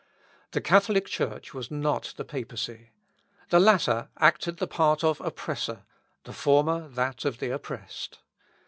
The Catholic Church was not the Papacy. The latter acted the part of oppressor, the former that of the oppressed.